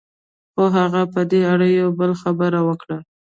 خو هغه په دې اړه يوه بله خبره وکړه.